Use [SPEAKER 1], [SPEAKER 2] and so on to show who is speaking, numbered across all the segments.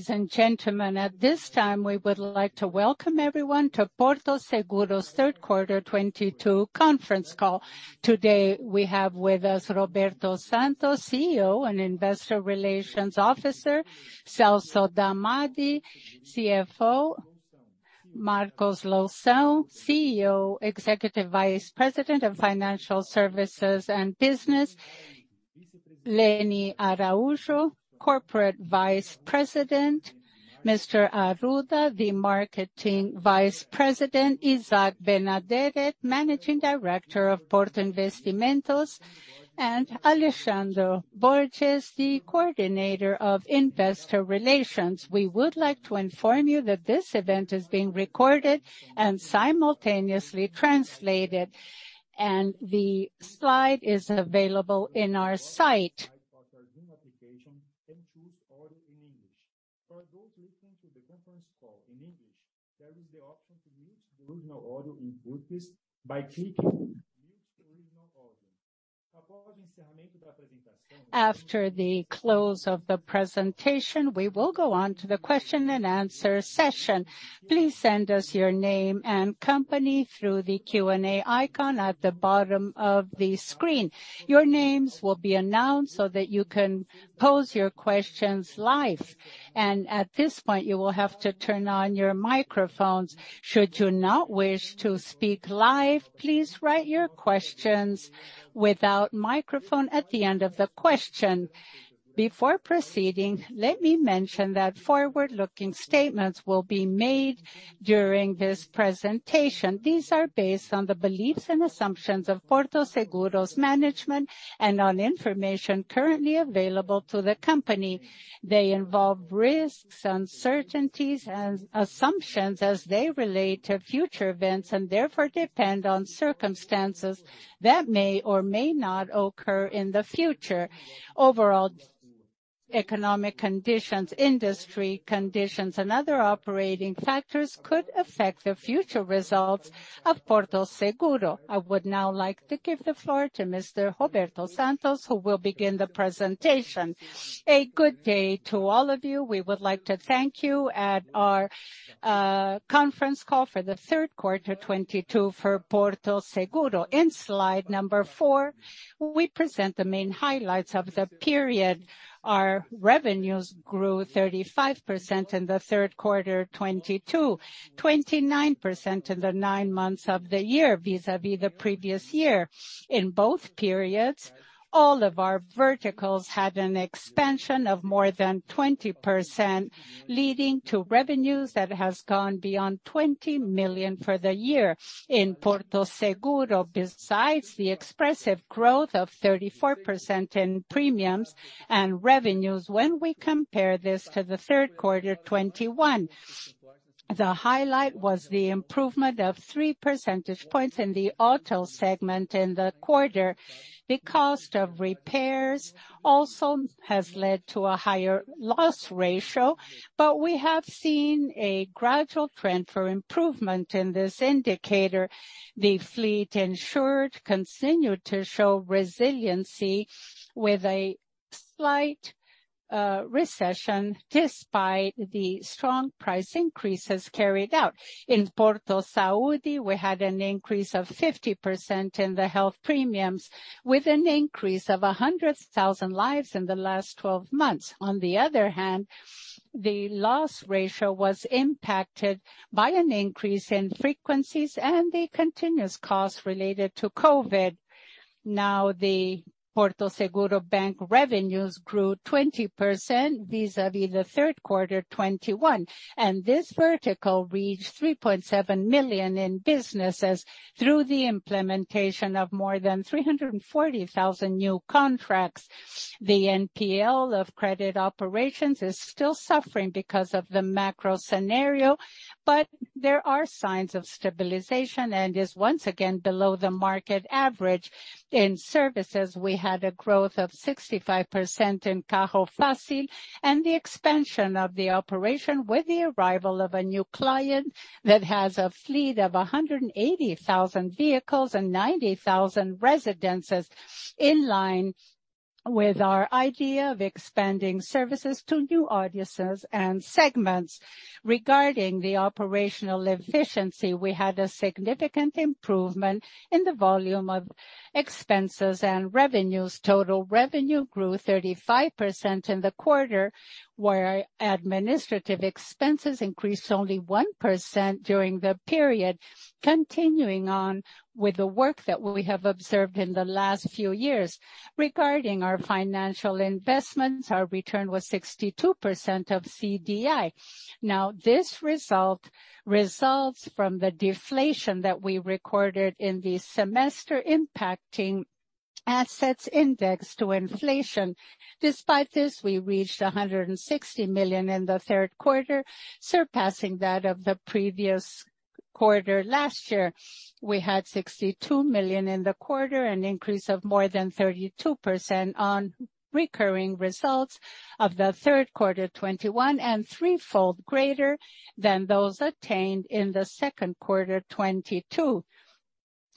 [SPEAKER 1] Ladies and gentlemen, at this time we would like to welcome everyone to Porto Seguro's third quarter 2022 conference call. Today we have with us Roberto Santos, CEO and Investor Relations Officer, Celso Damadi, CFO, Marcos Loução, CEO, Executive Vice President of Financial Services and Business, Lene Araújo, Corporate Vice President, Luiz Arruda, the Marketing Vice President, Izak Benaderet, Managing Director of Porto Investimentos, and Alessandro Borges, the Coordinator of Investor Relations. We would like to inform you that this event is being recorded and simultaneously translated, and the slide is available on our site. Application and choose audio in English. For those listening to the conference call in English, there is the option to mute the original audio in Portuguese by clicking Mute Original Audio. After the close of the presentation, we will go on to the question and answer session. Please send us your name and company through the Q&A icon at the bottom of the screen. Your names will be announced so that you can pose your questions live. At this point, you will have to turn on your microphones. Should you not wish to speak live, please write your questions without microphone at the end of the question. Before proceeding, let me mention that forward-looking statements will be made during this presentation. These are based on the beliefs and assumptions of Porto Seguro's management and on information currently available to the company. They involve risks, uncertainties and assumptions as they relate to future events, and therefore depend on circumstances that may or may not occur in the future. Overall economic conditions, industry conditions, and other operating factors could affect the future results of Porto Seguro. I would now like to give the floor to Mr. Roberto de Souza Santos, who will begin the presentation.
[SPEAKER 2] Good day to all of you. We would like to thank you at our conference call for the third quarter 2022 for Porto Seguro. In slide number 4, we present the main highlights of the period. Our revenues grew 35% in the third quarter 2022, 29% in the 9 months of the year vis-a-vis the previous year. In both periods, all of our verticals had an expansion of more than 20%, leading to revenues that has gone beyond 20 million for the year. In Porto Seguro, besides the expressive growth of 34% in premiums and revenues when we compare this to the third quarter 2021, the highlight was the improvement of 3 percentage points in the auto segment in the quarter. The cost of repairs also has led to a higher loss ratio, but we have seen a gradual trend for improvement in this indicator. The fleet insured continued to show resiliency with a slight recession despite the strong price increases carried out. In Porto Saúde, we had an increase of 50% in the health premiums with an increase of 100,000 lives in the last 12 months. On the other hand, the loss ratio was impacted by an increase in frequencies and the continuous costs related to COVID. Now, the Porto Seguro Bank revenues grew 20% vis-à-vis the third quarter 2021, and this vertical reached 3.7 million in businesses through the implementation of more than 340,000 new contracts. The NPL of credit operations is still suffering because of the macro scenario, but there are signs of stabilization and is once again below the market average. In services, we had a growth of 65% in Carro Fácil and the expansion of the operation with the arrival of a new client that has a fleet of 180,000 vehicles and 90,000 residences, in line with our idea of expanding services to new audiences and segments. Regarding the operational efficiency, we had a significant improvement in the volume of expenses and revenues. Total revenue grew 35% in the quarter, where administrative expenses increased only 1% during the period, continuing on with the work that we have observed in the last few years. Regarding our financial investments, our return was 62% of CDI. Now, this result results from the deflation that we recorded in the semester impacting assets indexed to inflation. Despite this, we reached 160 million in the third quarter, surpassing that of the previous quarter last year. We had 62 million in the quarter, an increase of more than 32% on recurring results of the third quarter 2021, and threefold greater than those attained in the second quarter 2022.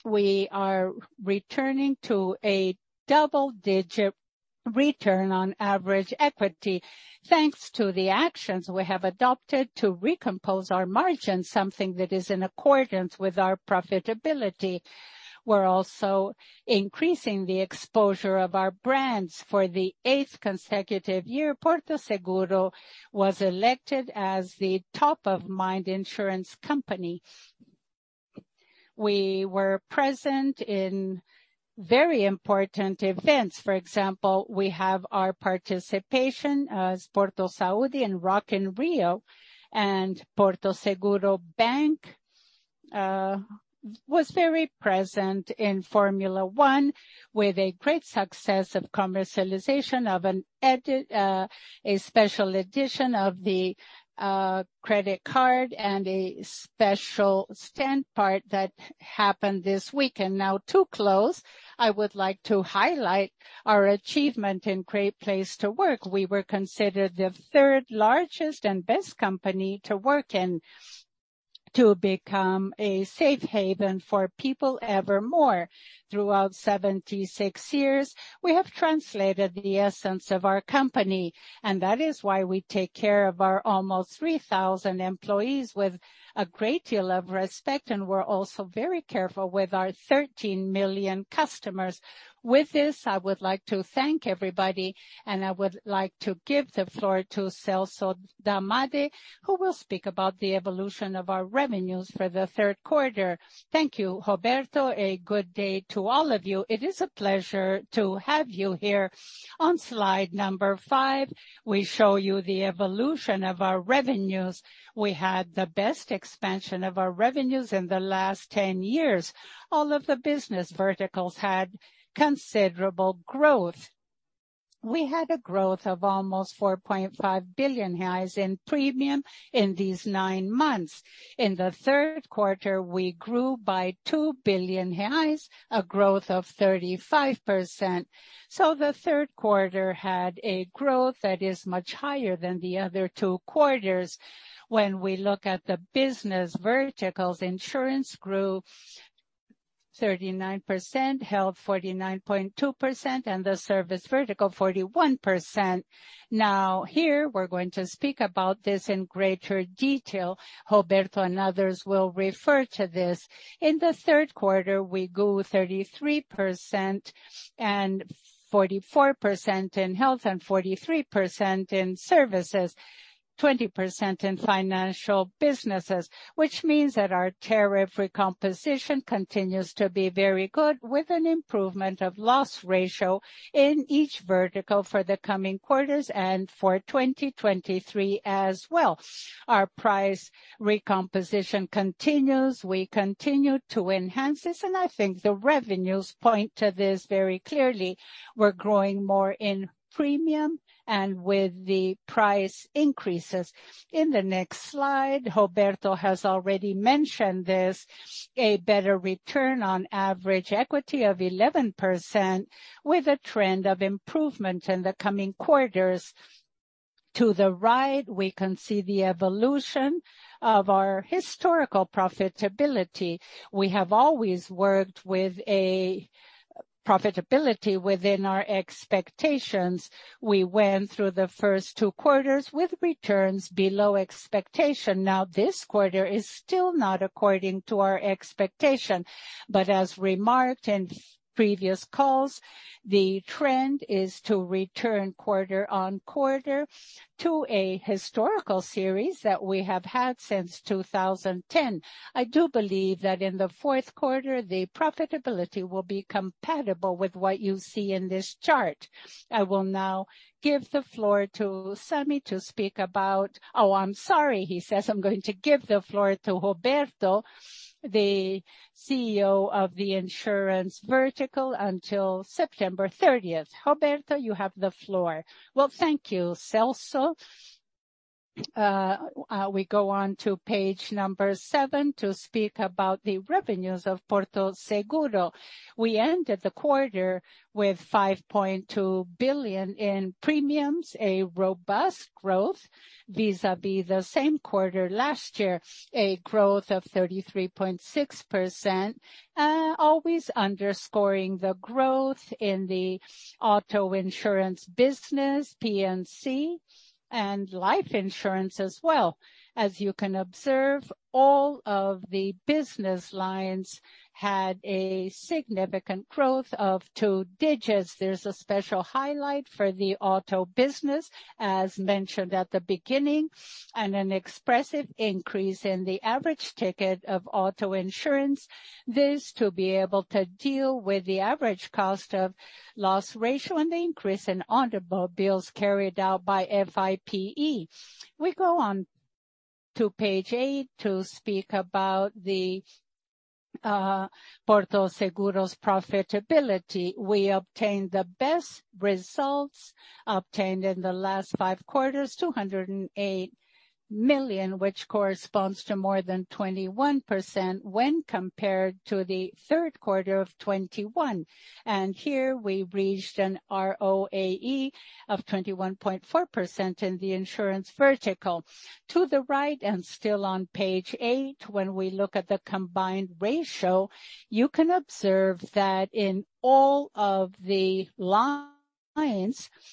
[SPEAKER 2] We are returning to a double digit return on average equity, thanks to the actions we have adopted to recompose our margin, something that is in accordance with our profitability. We're also increasing the exposure of our brands. For the eighth consecutive year, Porto Seguro was elected as the top of mind insurance company. We were present in very important events. For example, we have our participation as Porto Saúde in Rock in Rio, and Porto Bank was very present in Formula 1 with a great success of commercialization of a special edition of the credit card and a special stand part that happened this week. Now to close, I would like to highlight our achievement in Great Place to Work. We were considered the third largest and best company to work in, to become a safe haven for people evermore. Throughout 76 years, we have translated the essence of our company, and that is why we take care of our almost 3,000 employees with a great deal of respect, and we're also very careful with our 13 million customers. With this, I would like to thank everybody, and I would like to give the floor to Celso Damadi, who will speak about the evolution of our revenues for the third quarter.
[SPEAKER 3] Thank you, Roberto. A good day to all of you. It is a pleasure to have you here. On slide number 5, we show you the evolution of our revenues. We had the best expansion of our revenues in the last 10 years. All of the business verticals had considerable growth. We had a growth of almost 4.5 billion in premium in these nine months. In the third quarter, we grew by 2 billion reais, a growth of 35%. The third quarter had a growth that is much higher than the other two quarters. When we look at the business verticals, insurance grew 39%, health 49.2%, and the service vertical 41%. Now, here we're going to speak about this in greater detail. Roberto and others will refer to this. In the third quarter, we grew 33% and 44% in health and 43% in services, 20% in financial businesses, which means that our tariff recomposition continues to be very good, with an improvement of loss ratio in each vertical for the coming quarters and for 2023 as well. Our price recomposition continues. We continue to enhance this, and I think the revenues point to this very clearly. We're growing more in premium and with the price increases. In the next slide, Roberto has already mentioned this, a better return on average equity of 11%, with a trend of improvement in the coming quarters. To the right, we can see the evolution of our historical profitability. We have always worked with a profitability within our expectations. We went through the first two quarters with returns below expectation. Now, this quarter is still not according to our expectation, but as remarked in previous calls, the trend is to return quarter-on-quarter to a historical series that we have had since 2010. I do believe that in the fourth quarter, the profitability will be compatible with what you see in this chart. I will now give the floor to Sami to speak about. Oh, I'm sorry, he says. I'm going to give the floor to Roberto, the CEO of the insurance vertical until September 30. Roberto, you have the floor.
[SPEAKER 2] Well, thank you, Celso. We go on to page number 7 to speak about the revenues of Porto Seguro. We ended the quarter with 5.2 billion in premiums, a robust growth vis-à-vis the same quarter last year, a growth of 33.6%, always underscoring the growth in the auto insurance business, P&C and life insurance as well. As you can observe, all of the business lines had a significant growth of two digits. There's a special highlight for the auto business, as mentioned at the beginning, and an expressive increase in the average ticket of auto insurance. This to be able to deal with the average cost of loss ratio and the increase in automobile bills carried out by FIPE. We go on to page eight to speak about Porto Seguro's profitability. We obtained the best results in the last five quarters, 208 million, which corresponds to more than 21% when compared to the third quarter of 2021. Here we reached an ROAE of 21.4% in the insurance vertical. To the right, and still on page eight, when we look at the combined ratio, you can observe that in all of the lines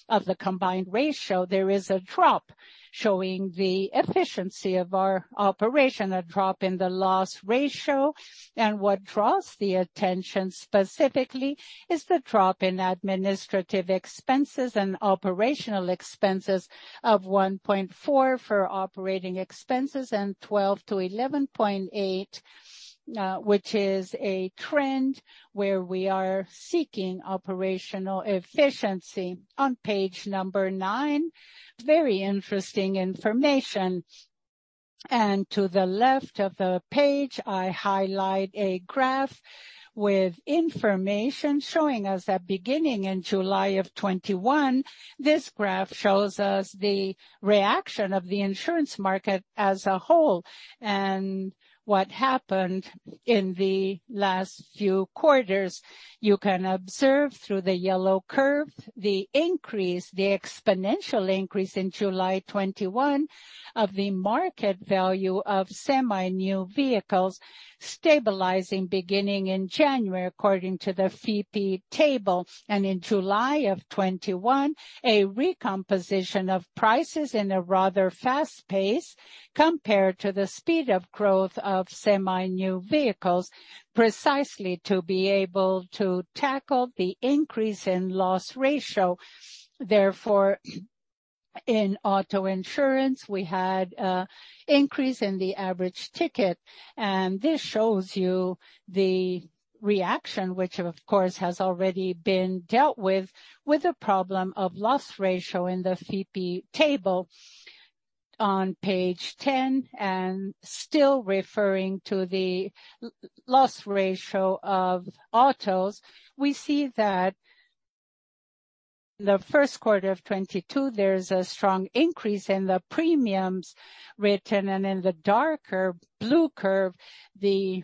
[SPEAKER 2] of the combined ratio, there is a drop showing the efficiency of our operation, a drop in the loss ratio. What draws the attention specifically is the drop in administrative expenses and operational expenses of 1.4 for operating expenses and 12%-11.8%, which is a trend where we are seeking operational efficiency. On page number nine, very interesting information. To the left of the page, I highlight a graph with information showing us that beginning in July 2021, this graph shows us the reaction of the insurance market as a whole and what happened in the last few quarters. You can observe through the yellow curve the increase, the exponential increase in July 2021 of the market value of semi-new vehicles stabilizing beginning in January, according to the FIPE table. In July 2021, a recomposition of prices in a rather fast pace compared to the speed of growth of semi-new vehicles, precisely to be able to tackle the increase in loss ratio. Therefore, in auto insurance, we had a increase in the average ticket. This shows you the reaction, which of course has already been dealt with the problem of loss ratio in the FIPE table. On page ten, still referring to the loss ratio of autos, we see that the first quarter of 2022, there's a strong increase in the premiums written, and in the darker blue curve, the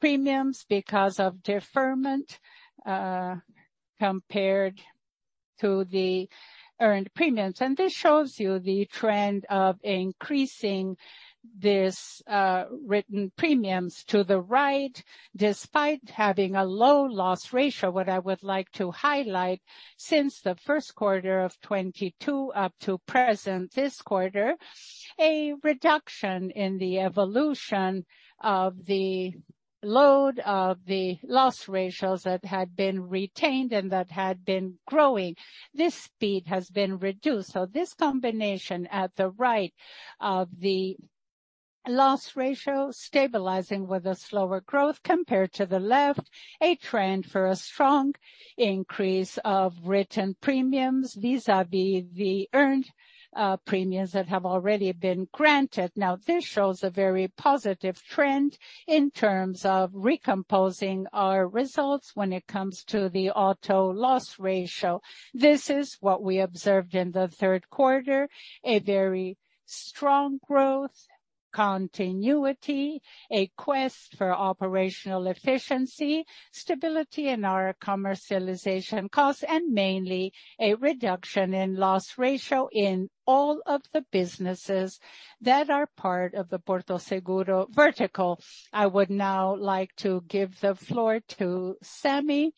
[SPEAKER 2] premiums because of deferment compared to the earned premiums. This shows you the trend of increasing this written premiums to the right, despite having a low loss ratio. What I would like to highlight, since the first quarter of 2022 up to present this quarter, a reduction in the evolution of the load of the loss ratios that had been retained and that had been growing. This speed has been reduced. This combination at the right of the loss ratio stabilizing with a slower growth compared to the left, a trend for a strong increase of written premiums vis-à-vis the earned premiums that have already been granted. Now, this shows a very positive trend in terms of recomposing our results when it comes to the auto loss ratio. This is what we observed in the third quarter, a very strong growth, continuity, a quest for operational efficiency, stability in our commercialization costs, and mainly a reduction in loss ratio in all of the businesses that are part of the Porto Seguro vertical. I would now like to give the floor to Sami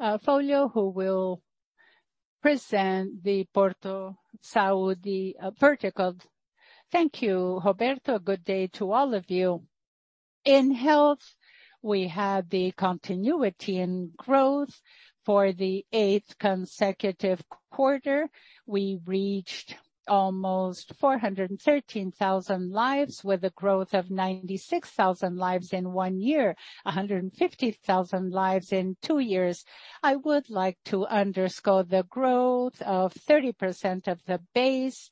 [SPEAKER 2] Foguel, who will present the Porto Saúde vertical.
[SPEAKER 4] Thank you, Roberto. Good day to all of you. In health, we have the continuity in growth for the eighth consecutive quarter. We reached almost 413,000 lives with a growth of 96,000 lives in one year, 150,000 lives in two years. I would like to underscore the growth of 30% of the base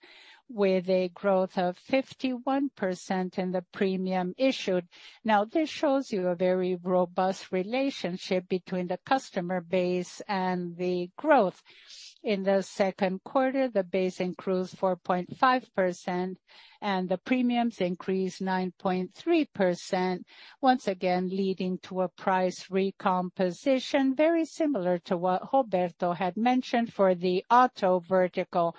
[SPEAKER 4] with a growth of 51% in the premium issued. Now, this shows you a very robust relationship between the customer base and the growth. In the second quarter, the base increased 4.5% and the premiums increased 9.3%, once again leading to a price recomposition very similar to what Roberto had mentioned for the auto vertical.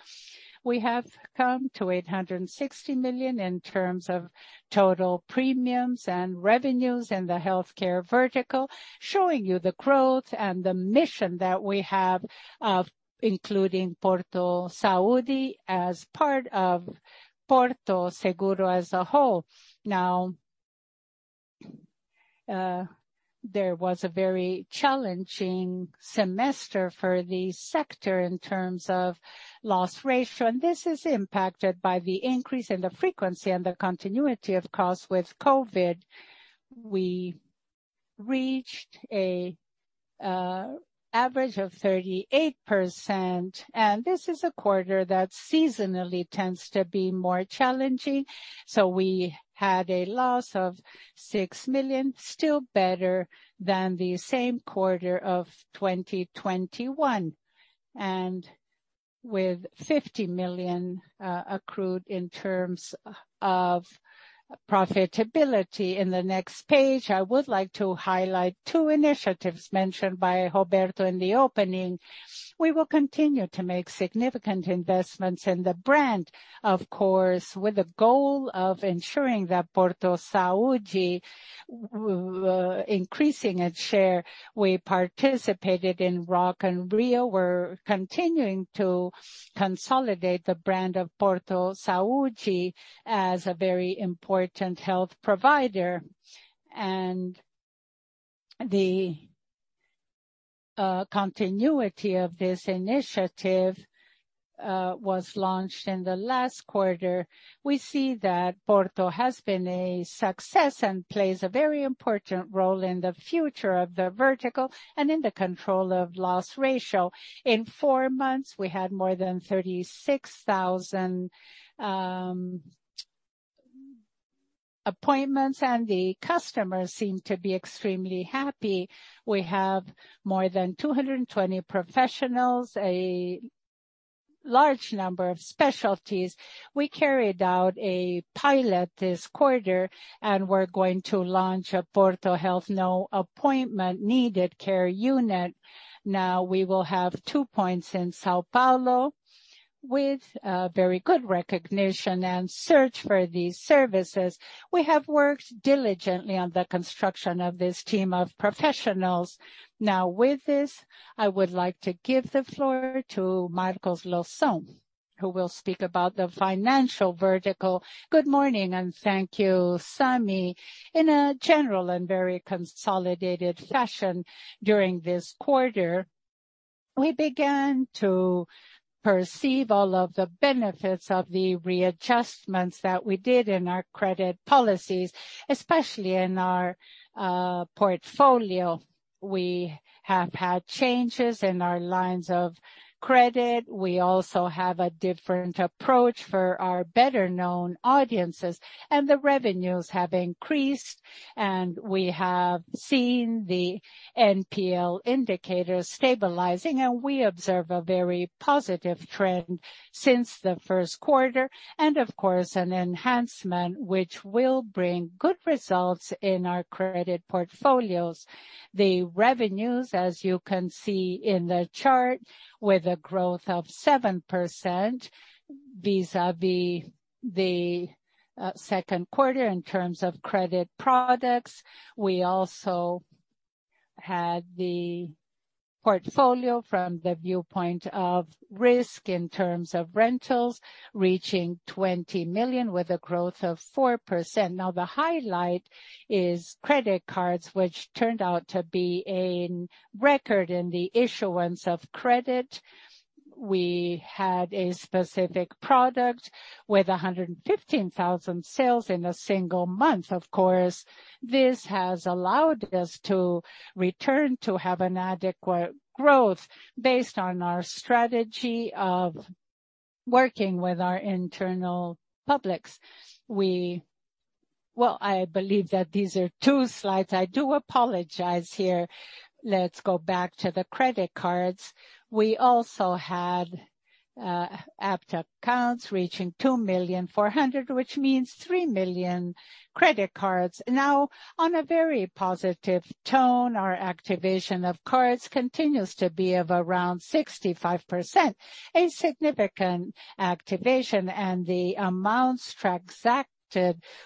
[SPEAKER 4] We have come to 860 million in terms of total premiums and revenues in the healthcare vertical, showing you the growth and the mission that we have of including Porto Saúde as part of Porto Seguro as a whole. Now, there was a very challengin g semester for the sector in terms of loss ratio, and this is impacted by the increase in the frequency and the continuity, of course, with COVID. We reached an average of 38%, and this is a quarter that seasonally tends to be more challenging. We had a loss of 6 million, still better than the same quarter of 2021, and with 50 million accrued in terms of profitability. In the next page, I would like to highlight two initiatives mentioned by Roberto in the opening. We will continue to make significant investments in the brand, of course, with the goal of ensuring that Porto Saúde increasing its share. We participated in Rock in Rio. We're continuing to consolidate the brand of Porto Saúde as a very important health provider. The continuity of this initiative was launched in the last quarter. We see that Porto has been a success and plays a very important role in the future of the vertical and in the control of loss ratio. In four months, we had more than 36,000 appointments, and the customers seem to be extremely happy. We have more than 220 professionals, a large number of specialties. We carried out a pilot this quarter, and we're going to launch a Porto Saúde no appointment needed care unit. Now, we will have 2 points in São Paulo with very good recognition and search for these services. We have worked diligently on the construction of this team of professionals. Now with this, I would like to give the floor to Marcos Loução, who will speak about the financial vertical.
[SPEAKER 5] Good morning and thank you, Sami. In a general and very consolidated fashion during this quarter, we began to perceive all of the benefits of the readjustments that we did in our credit policies, especially in our portfolio. We have had changes in our lines of credit. We also have a different approach for our better-known audiences, and the revenues have increased, and we have seen the NPL indicators stabilizing. We observe a very positive trend since the first quarter and of course, an enhancement which will bring good results in our credit portfolios. The revenues, as you can see in the chart, with a growth of 7% vis-à-vis the second quarter in terms of credit products. We also had the portfolio from the viewpoint of risk in terms of rentals, reaching 20 million with a growth of 4%. Now the highlight is credit cards, which turned out to be a record in the issuance of credit. We had a specific product with 115,000 sales in a single month. Of course, this has allowed us to return to have an adequate growth based on our strategy of working with our internal publics. I believe that these are two slides. I do apologize here. Let's go back to the credit cards. We also had app accounts reaching 2.4 million, which means 3 million credit cards. Now on a very positive tone, our activation of cards continues to be of around 65%, a significant activation, and the amounts transacted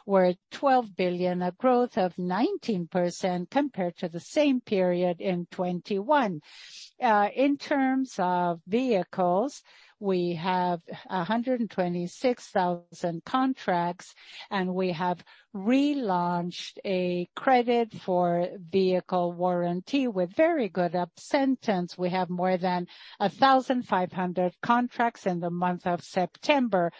[SPEAKER 5] were 12 billion, a growth of 19% compared to the same period in 2021. In terms of vehicles, we have 126,000 contracts, and we have relaunched a credit for vehicle warranty with very good success. We have more than 1,500 contracts in the month of September,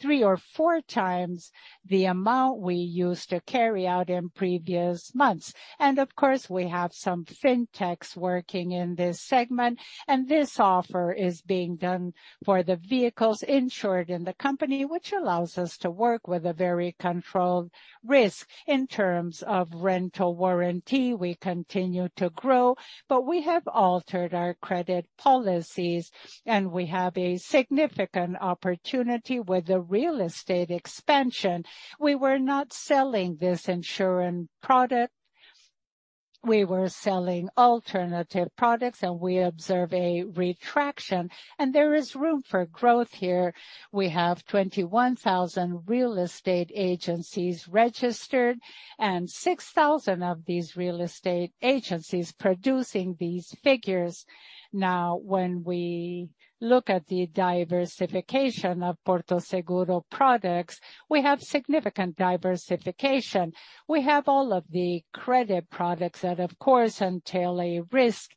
[SPEAKER 5] 3 or 4x the amount we used to carry out in previous months. Of course, we have some fintechs working in this segment, and this offer is being done for the vehicles insured in the company, which allows us to work with a very controlled risk. In terms of rental warranty, we continue to grow, but we have altered our credit policies, and we have a significant opportunity with the real estate expansion. We were not selling this insurance product. We were selling alternative products, and we observe a retraction, and there is room for growth here. We have 21,000 real estate agencies registered and 6,000 of these real estate agencies producing these figures. Now, when we look at the diversification of Porto Seguro products, we have significant diversification. We have all of the credit products that of course entail a risk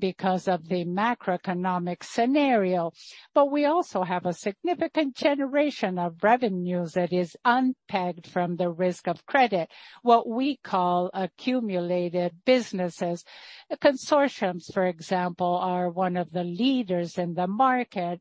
[SPEAKER 5] because of the macroeconomic scenario. We also have a significant generation of revenues that is unpegged from the risk of credit, what we call accumulated businesses. Consortium, for example, are one of the leaders in the market,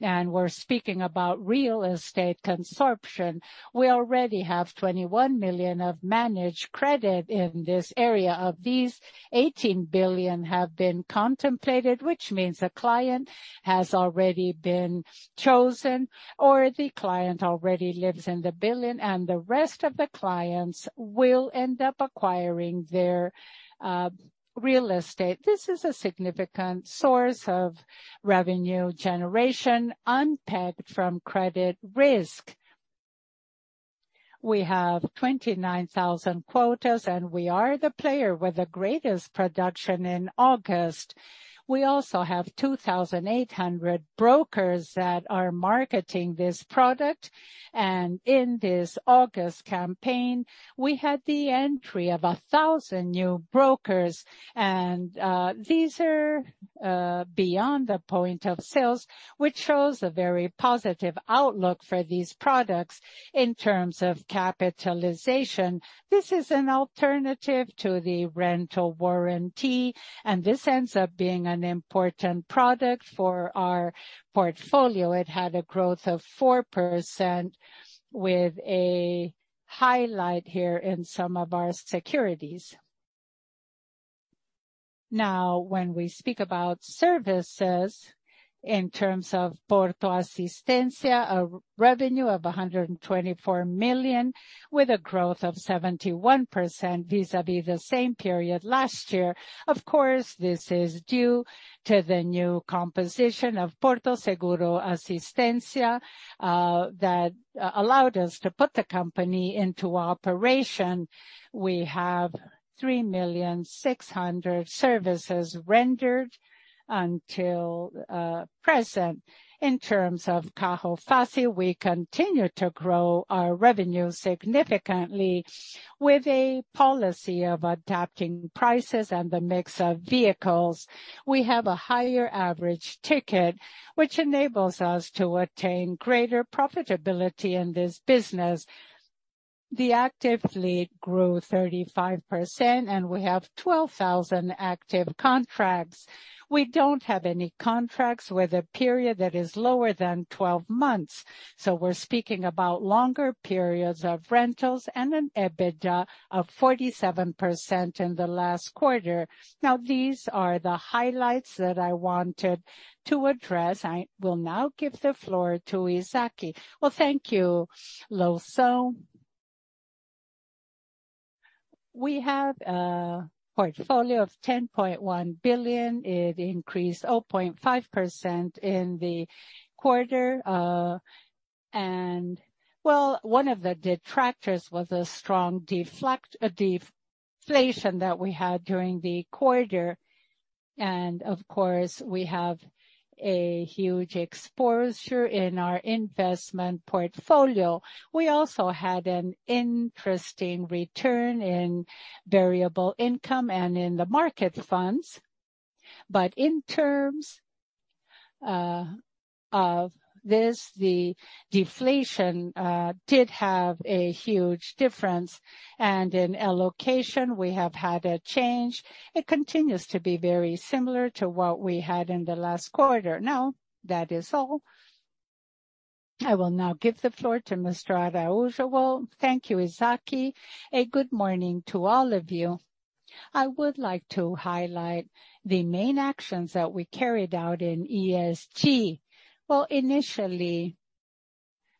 [SPEAKER 5] and we're speaking about real estate consumption. We already have 21 million of managed credit in this area. Of these, 18 billion have been contemplated, which means a client has already been chosen, or the client already lives in the building, and the rest of the clients will end up acquiring their real estate. This is a significant source of revenue generation unpegged from credit risk. We have 29,000 quotas, and we are the player with the greatest production in August. We also have 2,800 brokers that are marketing this product. In this August campaign, we had the entry of 1,000 new brokers. These are beyond the point of sales, which shows a very positive outlook for these products in terms of capitalization. This is an alternative to the rental warranty, and this ends up being an important product for our portfolio. It had a growth of 4% with a highlight here in some of our securities. Now, when we speak about services in terms of Porto Assistência, a revenue of 124 million, with a growth of 71% vis-à-vis the same period last year. Of course, this is due to the new composition of Porto Seguro Assistência that allowed us to put the company into operation. We have 3.6 million services rendered until present. In terms of Carro Fácil, we continue to grow our revenue significantly with a policy of adapting prices and the mix of vehicles. We have a higher average ticket, which enables us to attain greater profitability in this business. The active fleet grew 35%, and we have 12,000 active contracts. We don't have any contracts with a period that is lower than 12 months, so we're speaking about longer periods of rentals and an EBITDA of 47% in the last quarter. Now, these are the highlights that I wanted to address. I will now give the floor to Izak Benaderet.
[SPEAKER 6] Well, thank you, Marcos Loução. We have a portfolio of 10.1 billion. It increased 0.5% in the quarter. Well, one of the detractors was a strong deflation that we had during the quarter. Of course, we have a huge exposure in our investment portfolio. We also had an interesting return in variable income and in the market funds. In terms of this, the deflation did have a huge difference. In allocation, we have had a change. It continues to be very similar to what we had in the last quarter. Now, that is all. I will now give the floor to Luiz Arruda.
[SPEAKER 7] Thank you, Izak Benaderet, a good morning to all of you. I would like to highlight the main actions that we carried out in ESG. Well, initially,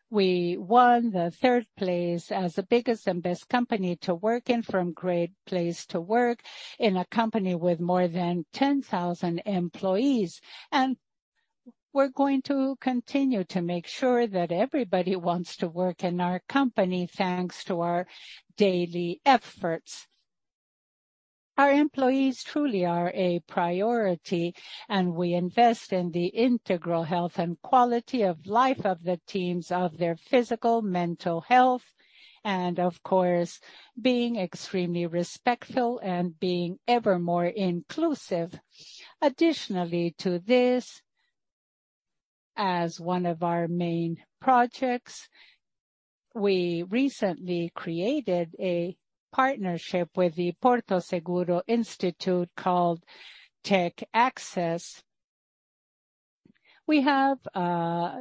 [SPEAKER 7] we won the third place as the biggest and best company to work in from Great Place To Work in a company with more than 10,000 employees. We're going to continue to make sure that everybody wants to work in our company, thanks to our daily efforts. Our employees truly are a priority, and we invest in the integral health and quality of life of the teams, of their physical, mental health, and of course, being extremely respectful and being ever more inclusive. Additionally to this, as one of our main projects, we recently created a partnership with the Porto Seguro Institute called Tech Access. We have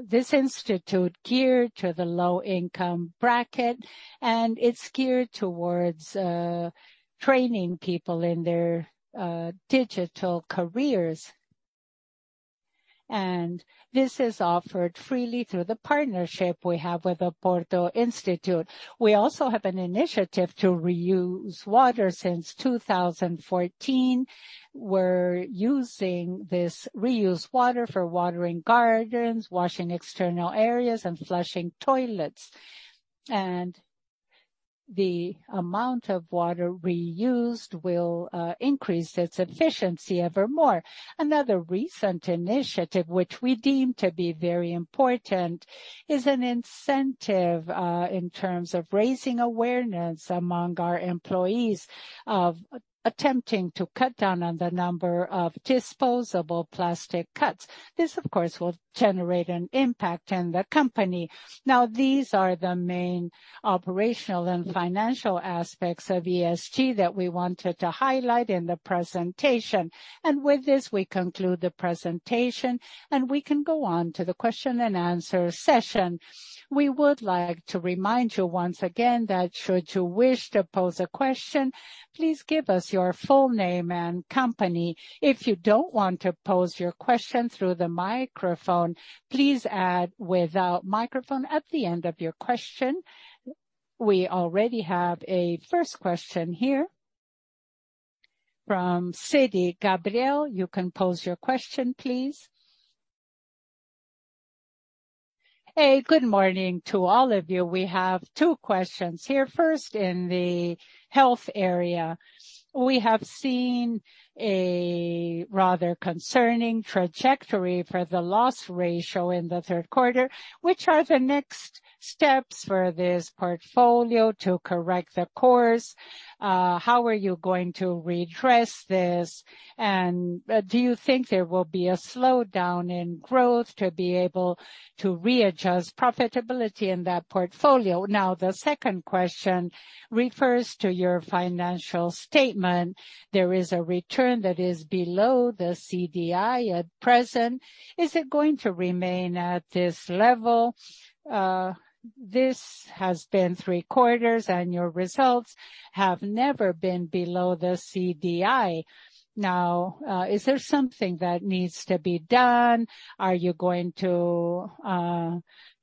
[SPEAKER 7] this institute geared to the low income bracket, and it's geared towards training people in their digital careers. This is offered freely through the partnership we have with the Porto Seguro Institute. We also have an initiative to reuse water since 2014. We're using this reused water for watering gardens, washing external areas, and flushing toilets. The amount of water reused will increase its efficiency ever more. Another recent initiative, which we deem to be very important, is an incentive in terms of raising awareness among our employees of attempting to cut down on the number of disposable plastic cups. This, of course, will generate an impact in the company. Now, these are the main operational and financial aspects of ESG that we wanted to highlight in the presentation. With this, we conclude the presentation, and we can go on to the question and answer session.
[SPEAKER 8] We would like to remind you once again that should you wish to pose a question, please give us your full name and company. If you don't want to pose your question through the microphone, please add without microphone at the end of your question. We already have a first question here from Citi. Gabriel, you can pose your question please.
[SPEAKER 9] Hey, good morning to all of you. We have two questions here. First, in the health area, we have seen a rather concerning trajectory for the loss ratio in the third quarter. Which are the next steps for this portfolio to correct the course? How are you going to readdress this? And do you think there will be a slowdown in growth to be able to readjust profitability in that portfolio? Now, the second question refers to your financial statement. There is a return that is below the CDI at present. Is it going to remain at this level? This has been three quarters, and your results have never been below the CDI. Now, is there something that needs to be done? Are you going to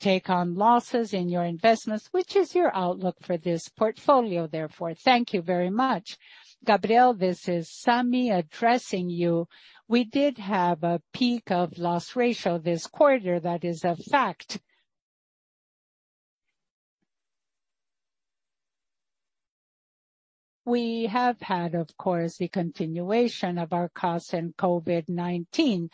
[SPEAKER 9] take on losses in your investments? Which is your outlook for this portfolio therefore? Thank you very much.
[SPEAKER 4] Gabriel, this is Sami addressing you. We did have a peak of loss ratio this quarter. That is a fact. We have had, of course, the continuation of our costs in COVID-19.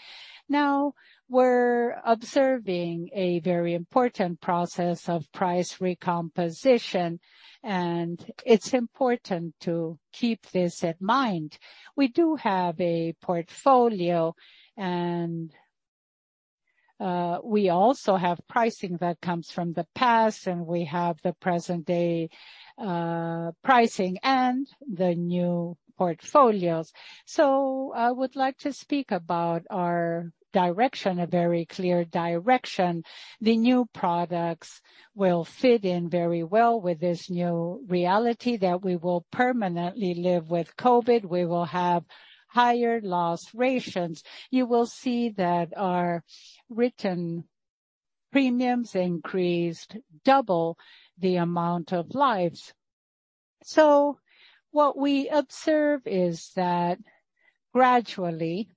[SPEAKER 4] Now, we're observing a very important process of price recomposition, and it's important to keep this in mind. We do have a portfolio, and we also have pricing that comes from the past, and we have the present day pricing and the new portfolios. I would like to speak about our direction, a very clear direction. The new products will fit in very well with this new reality that we will permanently live with COVID. We will have higher loss ratios. You will see that our written premiums increased double the amount of lives. What we observe is that gradually,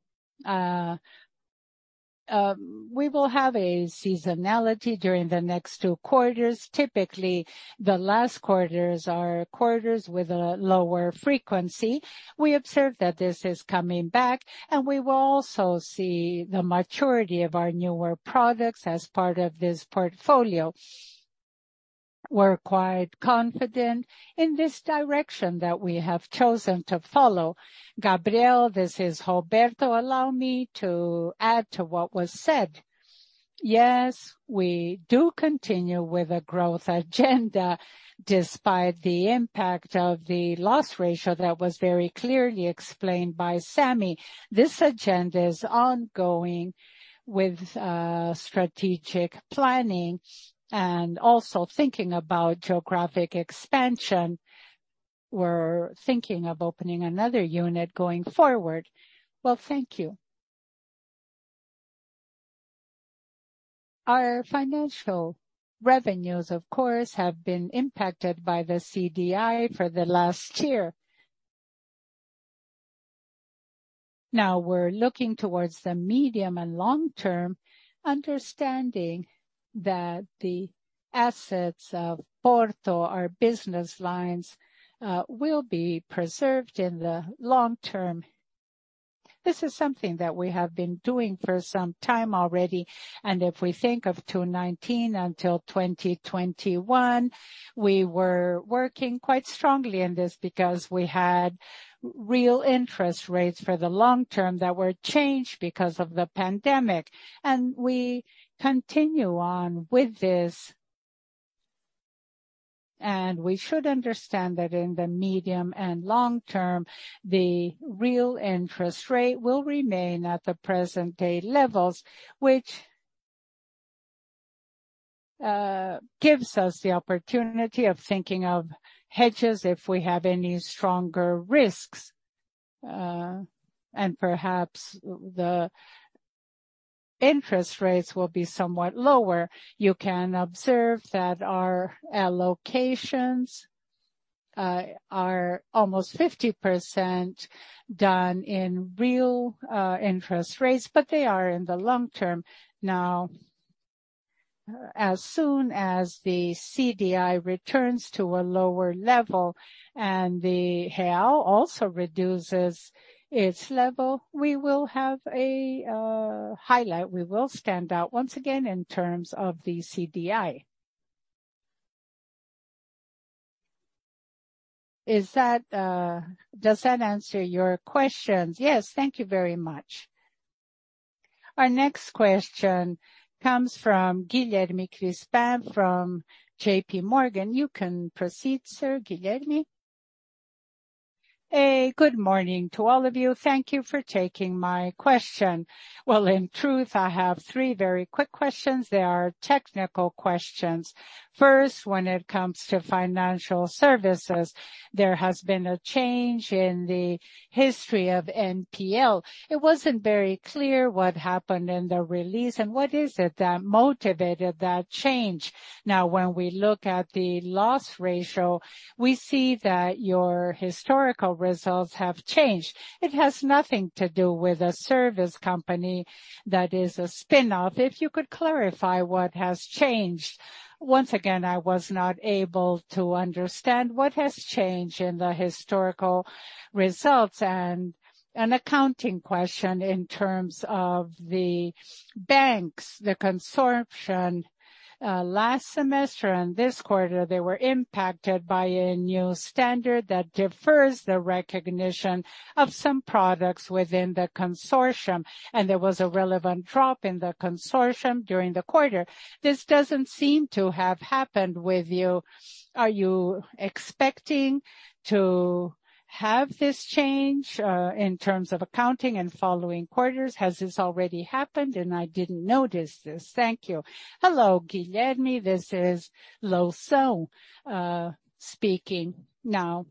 [SPEAKER 4] we will have a seasonality during the next two quarters. Typically, the last quarters are quarters with a lower frequency. We observe that this is coming back, and we will also see the maturity of our newer products as part of this portfolio. We're quite confident in this direction that we have chosen to follow.
[SPEAKER 2] Gabriel, this is Roberto. Allow me to add to what was said. Yes, we do continue with a growth agenda despite the impact of the loss ratio that was very clearly explained by Sammy. This agenda is ongoing with strategic planning and also thinking about geographic expansion. We're thinking of opening another unit going forward. Well, thank you. Our financial revenues, of course, have been impacted by the CDI for the last year. Now we're looking towards the medium and long-term, understanding that the assets of Porto, our business lines, will be preserved in the long term. This is something that we have been doing for some time already, and if we think of 2019 until 2021, we were working quite strongly in this because we had real interest rates for the long term that were changed because of the pandemic. We continue on with this. We should understand that in the medium and long term, the real interest rate will remain at the present day levels, which gives us the opportunity of thinking of hedges if we have any stronger risks, and perhaps the interest rates will be somewhat lower. You can observe that our allocations are almost 50% done in real interest rates, but they are in the long term. Now, as soon as the CDI returns to a lower level and the IPCA also reduces its level, we will have a highlight. We will stand out once again in terms of the CDI. Is that? Does that answer your questions?
[SPEAKER 9] Yes. Thank you very much.
[SPEAKER 8] Our next question comes from Guilherme Grespan from J.P. Morgan. You can proceed, Sir Guilherme.
[SPEAKER 10] A good morning to all of you. Thank you for taking my question. Well, in truth, I have three very quick questions. They are technical questions. First, when it comes to financial services, there has been a change in the history of NPL. It wasn't very clear what happened in the release and what is it that motivated that change. Now, when we look at the loss ratio, we see that your historical results have changed. It has nothing to do with a service company that is a spin-off. If you could clarify what has changed. Once again, I was not able to understand what has changed in the historical results. An accounting question in terms of the banks, the consortium, last semester and this quarter, they were impacted by a new standard that defers the recognition of some products within the consortium, and there was a relevant drop in the consortium during the quarter. This doesn't seem to have happened with you. Are you expecting to have this change in terms of accounting in following quarters? Has this already happened and I didn't notice this? Thank you.
[SPEAKER 5] Hello, Guilherme. This is Marcos Loução speaking now.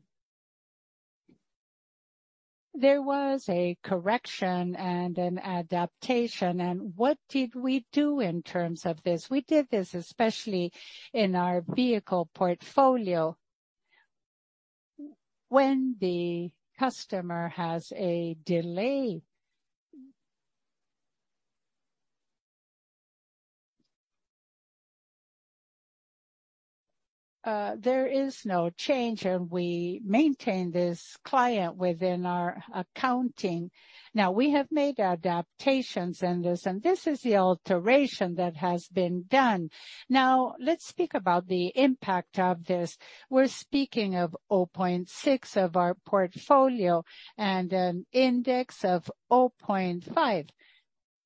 [SPEAKER 5] There was a correction and an adaptation and what did we do in terms of this? We did this especially in our vehicle portfolio. When the customer has a delay, there is no change, and we maintain this client within our accounting. Now, we have made adaptations in this, and this is the alteration that has been done. Now, let's speak about the impact of this. We're speaking of 0.6% of our portfolio and an index of 0.5%,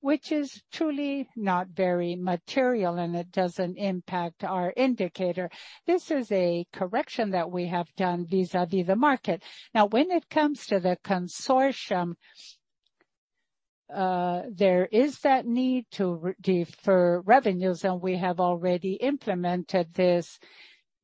[SPEAKER 5] which is truly not very material, and it doesn't impact our indicator. This is a correction that we have done vis-à-vis the market. Now, when it comes to the consortium, there is that need to re-defer revenues, and we have already implemented this.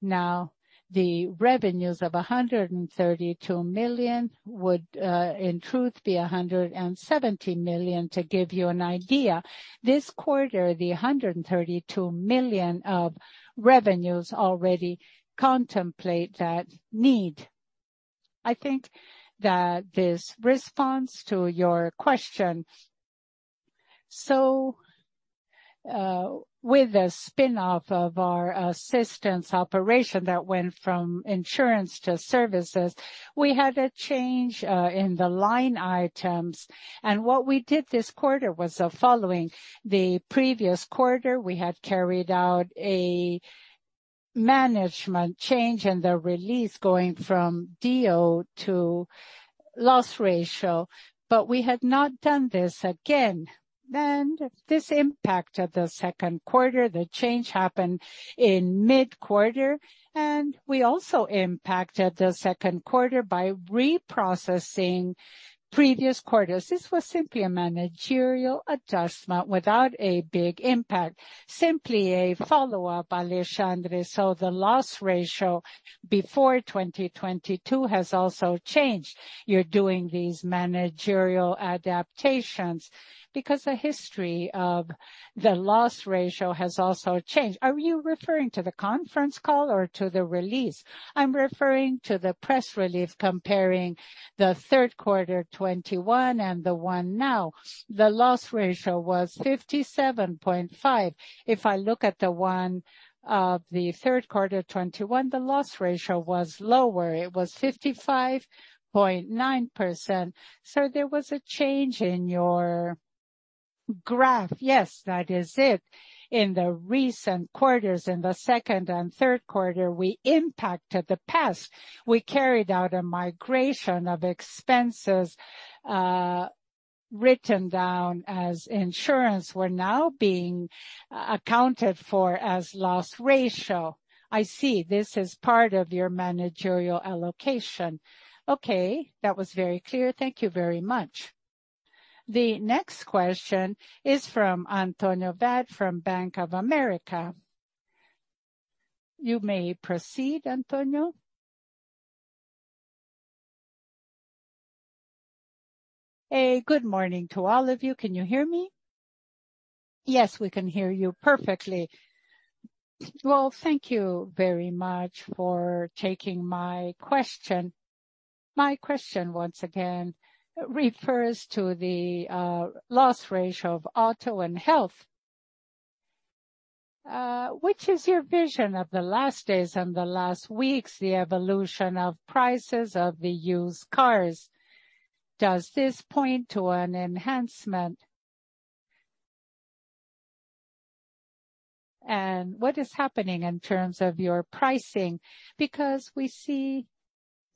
[SPEAKER 5] Now, the revenues of 132 million would, in truth be 170 million, to give you an idea. This quarter, the 132 million of revenues already contemplate that need. I think that this responds to your question. With the spin-off of our assistance operation that went from insurance to services, we had a change in the line items. What we did this quarter was the following. The previous quarter, we had carried out a management change in the release going from DO to loss ratio, but we had not done this again. This impacted the second quarter. The change happened in mid-quarter, and we also impacted the second quarter by reprocessing previous quarters. This was simply a managerial adjustment without a big impact.
[SPEAKER 10] Simply a follow-up, Alessandro. The loss ratio before 2022 has also changed. You're doing these managerial adaptations because the history of the loss ratio has also changed.
[SPEAKER 8] Are you referring to the conference call or to the release?
[SPEAKER 10] I'm referring to the press release comparing the third quarter 2021 and the one now.
[SPEAKER 8] The loss ratio was 57.5%. If I look at the one of the third quarter 2021, the loss ratio was lower. It was 55.9%. There was a change in your graph. Yes, that is it. In the recent quarters, in the second and third quarter, we impacted the past. We carried out a migration of expenses, written down as insurance were now being accounted for as loss ratio. I see. This is part of your managerial allocation. Okay, that was very clear. Thank you very much.
[SPEAKER 1] The next question is from Antonio Badr from Bank of America. You may proceed, Antonio.
[SPEAKER 11] Good morning to all of you. Can you hear me? Yes, we can hear you perfectly. Well, thank you very much for taking my question. My question once again refers to the loss ratio of auto and health. Which is your vision of the last days and the last weeks, the evolution of prices of the used cars? Does this point to an enhancement? And what is happening in terms of your pricing? Because we see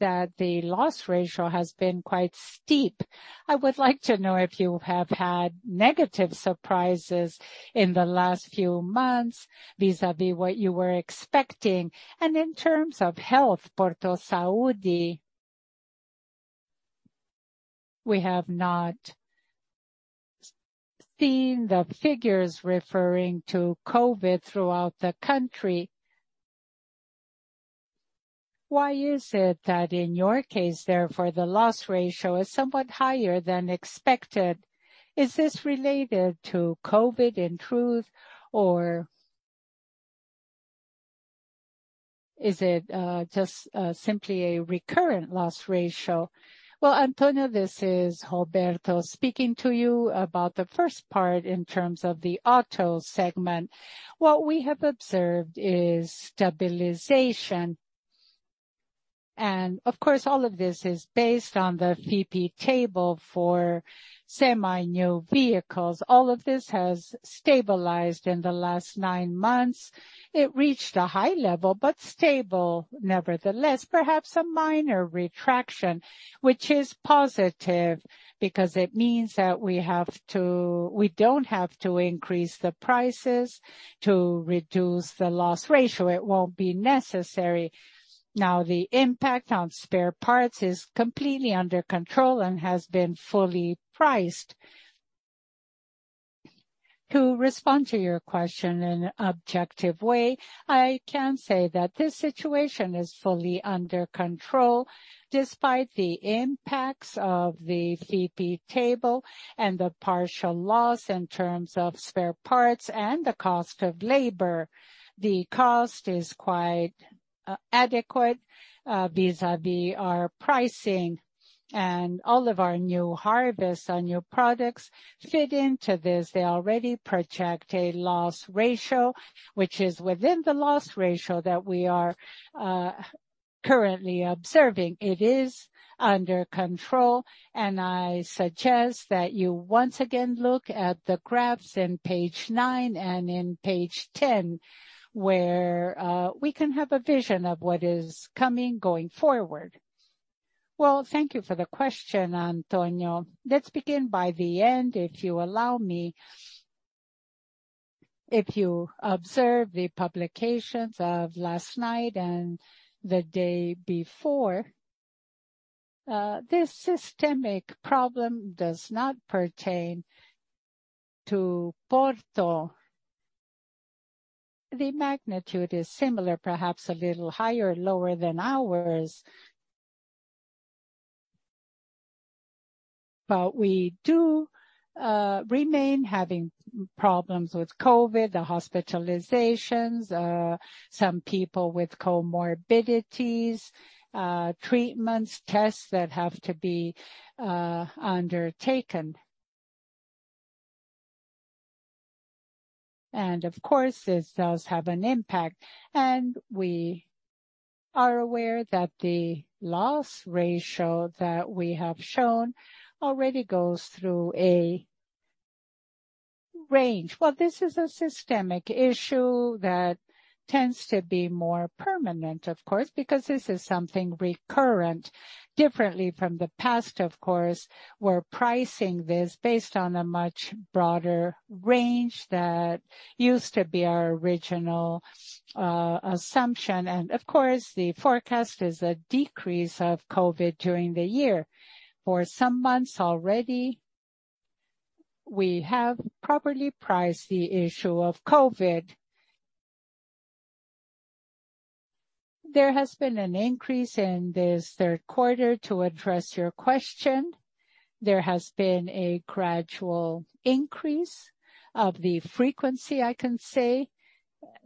[SPEAKER 11] that the loss ratio has been quite steep. I would like to know if you have had negative surprises in the last few months vis-à-vis what you were expecting. And in terms of health, Porto Saúde. We have not seen the figures referring to COVID throughout the country. Why is it that in your case, therefore, the loss ratio is somewhat higher than expected? Is this related to COVID in truth, or is it just simply a recurrent loss ratio?
[SPEAKER 2] Well, Antonio, this is Roberto speaking to you about the first part in terms of the auto segment. What we have observed is stabilization. Of course, all of this is based on the FIPE table for semi-new vehicles. All of this has stabilized in the last nine months. It reached a high level, but stable nevertheless. Perhaps a minor retraction, which is positive because it means that we don't have to increase the prices to reduce the loss ratio. It won't be necessary. Now, the impact on spare parts is completely under control and has been fully priced. To respond to your question in an objective way, I can say that this situation is fully under control despite the impacts of the FIPE table and the partial loss in terms of spare parts and the cost of labor. The cost is quite adequate vis-a-vis our pricing, and all of our new harvests and new products fit into this. They already project a loss ratio, which is within the loss ratio that we are currently observing. It is under control, and I suggest that you once again look at the graphs in page 9 and in page 10, where we can have a vision of what is coming going forward.
[SPEAKER 4] Well, thank you for the question, Antonio. Let's begin by the end, if you allow me. If you observe the publications of last night and the day before, this systemic problem does not pertain to Porto. The magnitude is similar, perhaps a little higher, lower than ours. But we do remain having problems with COVID, the hospitalizations, some people with comorbidities, treatments, tests that have to be undertaken. Of course, this does have an impact. We are aware that the loss ratio that we have shown already goes through a range. Well, this is a systemic issue that tends to be more permanent, of course, because this is something recurrent differently from the past, of course. We're pricing this based on a much broader range that used to be our original assumption. Of course, the forecast is a decrease of COVID during the year. For some months already, we have properly priced the issue of COVID. There has been an increase in this third quarter, to address your question. There has been a gradual increase of the frequency, I can say.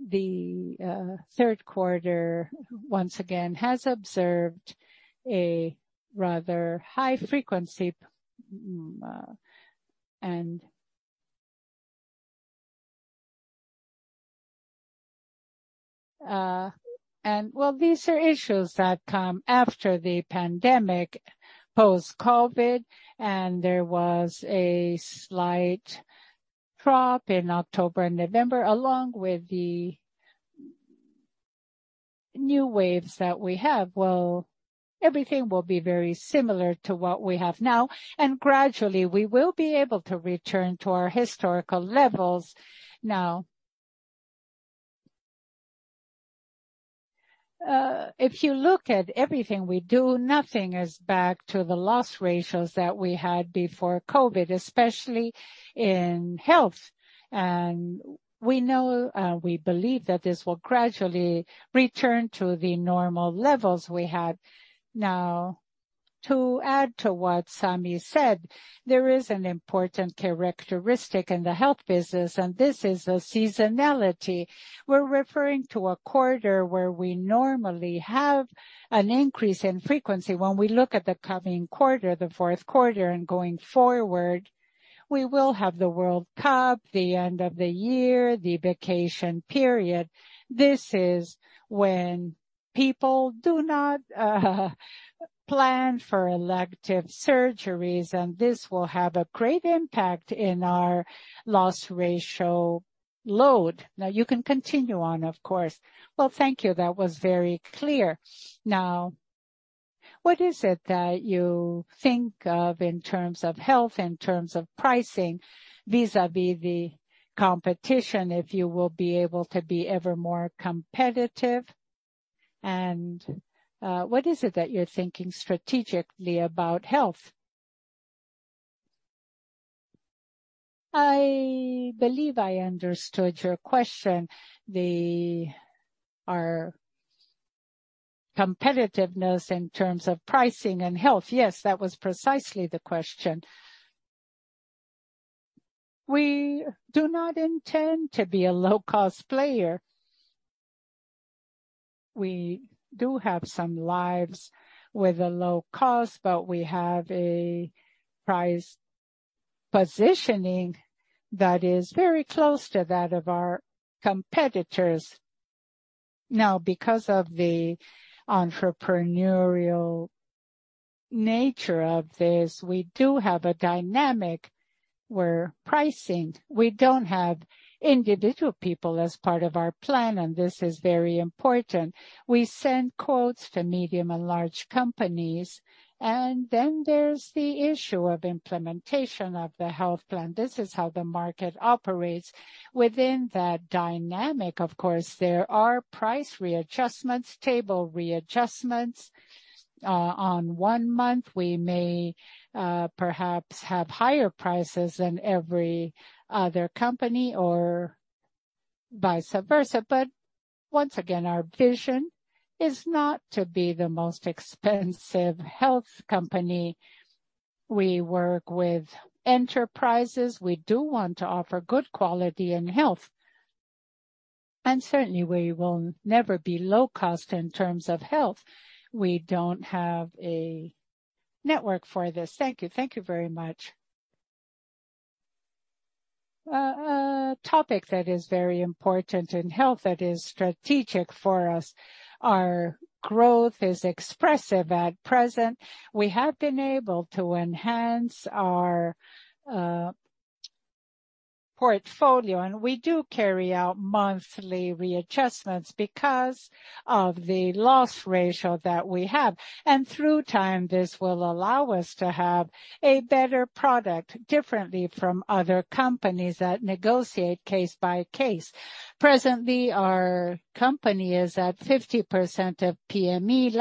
[SPEAKER 4] The third quarter, once again, has observed a rather high frequency. These are issues that come after the pandemic, post-COVID, and there was a slight drop in October and November, along with the new waves that we have. Well, everything will be very similar to what we have now, and gradually we will be able to return to our historical levels. If you look at everything we do, nothing is back to the loss ratios that we had before COVID, especially in health. We know, we believe that this will gradually return to the normal levels we had.
[SPEAKER 8] Now, to add to what Sami said, there is an important characteristic in the health business, and this is the seasonality. We're referring to a quarter where we normally have an increase in frequency. When we look at the coming quarter, the fourth quarter, and going forward, we will have the World Cup, the end of the year, the vacation period. This is when people do not plan for elective surgeries, and this will have a great impact in our loss ratio load. Now you can continue on, of course.
[SPEAKER 11] Well, thank you. That was very clear. Now, what is it that you think of in terms of health, in terms of pricing, vis-a-vis the competition, if you will be able to be ever more competitive? What is it that you're thinking strategically about health?
[SPEAKER 8] I believe I understood your question. Our competitiveness in terms of pricing and health.
[SPEAKER 11] Yes, that was precisely the question.
[SPEAKER 8] We do not intend to be a low-cost player. We do have some lives with a low cost, but we have a price positioning that is very close to that of our competitors. Now, because of the entrepreneurial nature of this, we do have a dynamic where pricing, we don't have individual people as part of our plan, and this is very important. We send quotes to medium and large companies, and then there's the issue of implementation of the health plan. This is how the market operates. Within that dynamic of course there are price readjustments, table readjustments. In one month, we may, perhaps have higher prices than every other company or vice versa. Once again, our vision is not to be the most expensive health company. We work with enterprises. We do want to offer good quality in health, and certainly we will never be low cost in terms of health. We don't have a network for this. Thank you. Thank you very much. A topic that is very important in health, that is strategic for us. Our growth is expressive at present. We have been able to enhance our portfolio, and we do carry out monthly readjustments because of the loss ratio that we have. Through time, this will allow us to have a better product differently from other companies that negotiate case by case. Presently, our company is at 50% of PME.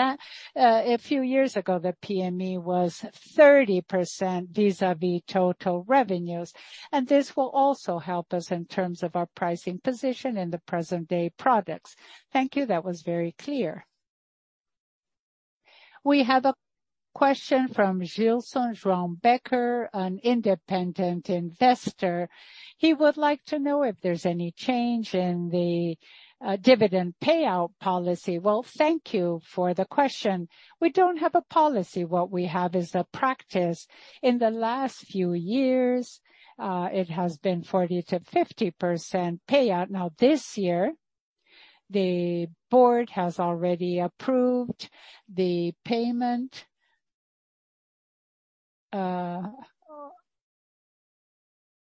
[SPEAKER 8] A few years ago, the PME was 30% vis-à-vis total revenues, and this will also help us in terms of our pricing position in the present day products.
[SPEAKER 11] Thank you. That was very clear.
[SPEAKER 1] We have a question from Gilson Jerome Becker, an independent investor. He would like to know if there's any change in the dividend payout policy.
[SPEAKER 3] Well, thank you for the question. We don't have a policy. What we have is a practice. In the last few years, it has been 40%-50% payout. Now this year, the board has already approved the payment.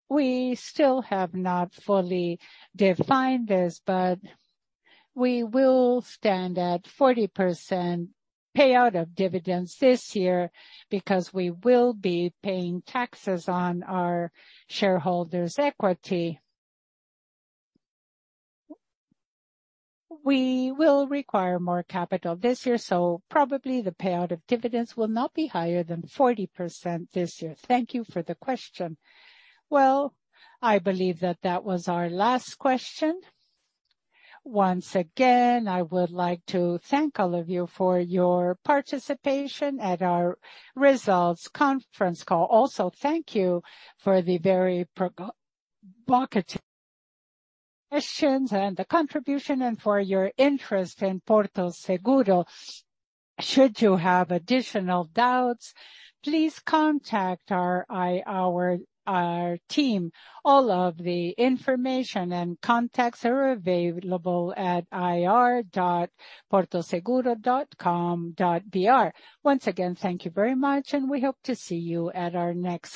[SPEAKER 3] We still have not fully defined this, but we will stand at 40% payout of dividends this year because we will be paying taxes on our shareholders' equity. We will require more capital this year, so probably the payout of dividends will not be higher than 40% this year. Thank you for the question.
[SPEAKER 8] Well, I believe that that was our last question. Once again, I would like to thank all of you for your participation at our results conference call. Also thank you for the very provocative questions and the contribution and for your interest in Porto Seguro. Should you have additional doubts, please contact our team. All of the information and contacts are available at ri.portoseguro.com.br. Once again, thank you very much, and we hope to see you at our next.